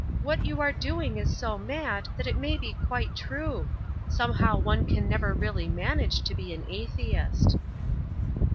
What you are doing is so mad that it may be quite true. Somehow one can never really manage to be an atheist."